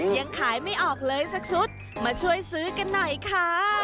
ยังขายไม่ออกเลยสักชุดมาช่วยซื้อกันหน่อยค่ะ